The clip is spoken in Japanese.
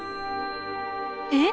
えっ？